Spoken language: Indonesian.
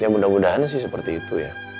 ya mudah mudahan sih seperti itu ya